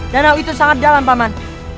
danau itu sangat dalam paman